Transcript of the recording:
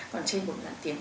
còn trên một đoạn tiếng